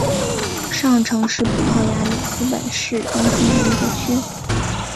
上城是葡萄牙里斯本市中心的一个区。